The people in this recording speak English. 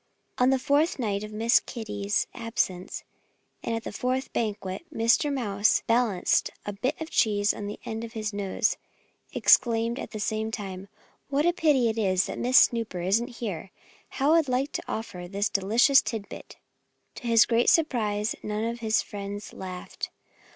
On the fourth night of Miss Kitty's absence, and at the fourth banquet, Mr. Mouse balanced a bit of cheese on the end of his nose, exclaiming at the same time, "What a pity it is that Miss Snooper isn't here! How I'd like to offer her this delicious tidbit!" To his great surprise, none of his friends laughed.